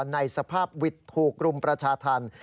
ในสภาพวิทย์ถูกรุมประชาธรรม